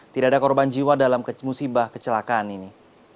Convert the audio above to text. tidak ada korban jiwa dalam musibah kecelakaan ini